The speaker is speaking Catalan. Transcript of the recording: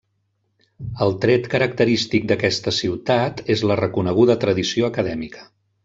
El tret característic d'aquesta ciutat és la reconeguda tradició acadèmica.